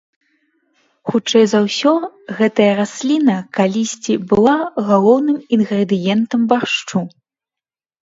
Хутчэй за ўсё, гэтая расліна калісьці была галоўным інгрэдыентам баршчу.